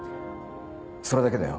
それだけだよ。